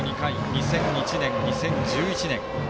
２００１年、２０１１年。